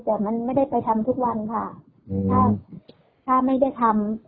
แต่มันไม่ได้ไปทำทุกวันค่ะถ้าถ้าไม่ได้ทำ